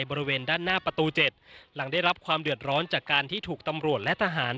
บริเวณด้านหน้าประตู๗หลังได้รับความเดือดร้อนจากการที่ถูกตำรวจและทหาร